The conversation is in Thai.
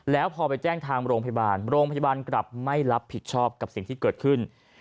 แล้วพอไปแจ้งทางโรงพยาบาลโรงพยาบาลกลับไม่รับผิดชอบกับสิ่งที่เกิดขึ้น